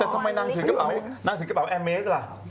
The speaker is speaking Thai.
แต่ทำไมนางถือกระบาดแอร์เมสล่ะ